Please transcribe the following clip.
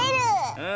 うん。